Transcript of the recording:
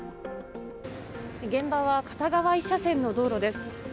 現場は片側１車線の道路です。